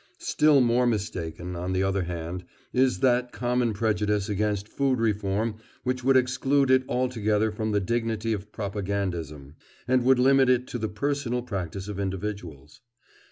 Still more mistaken, on the other hand, is that common prejudice against food reform which would exclude it altogether from the dignity of propagandism, and would limit it to the personal practice of individuals.